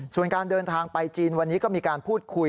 ส่วนการเดินทางไปจีนวันนี้ก็มีการพูดคุย